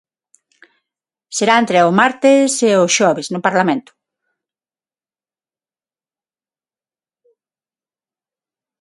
Será entre o martes e o xoves no Parlamento.